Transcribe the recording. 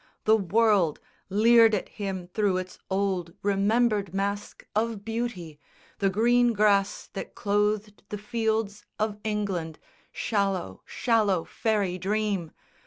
The world Leered at him through its old remembered mask Of beauty: the green grass that clothed the fields Of England (shallow, shallow fairy dream!)